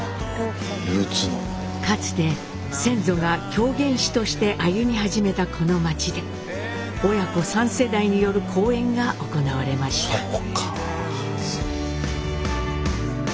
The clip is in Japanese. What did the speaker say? かつて先祖が狂言師として歩み始めたこの町で親子３世代による公演が行われました。